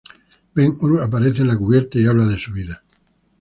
Ben-Hur aparece en la cubierta y habla de su vida.